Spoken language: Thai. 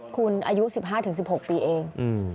คุณอายุ๑๕๑๖ปีเอง